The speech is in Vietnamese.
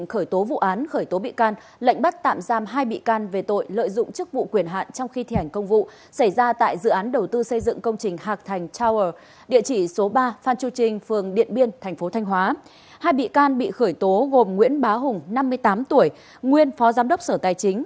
hai bị can bị khởi tố gồm nguyễn bá hùng năm mươi tám tuổi nguyên phó giám đốc sở tài chính